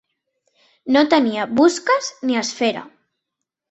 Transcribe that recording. No tenia busques ni esfera.